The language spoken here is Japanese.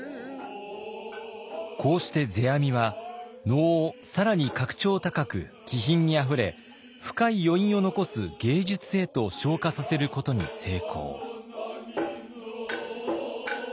こうして世阿弥は能を更に格調高く気品にあふれ深い余韻を残す芸術へと昇華させることに成功。